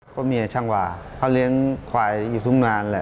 ก็เมียช่างวาเขาเลี้ยงควายอยู่ทุกงานแหละ